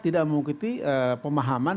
tidak mengukuti pemahaman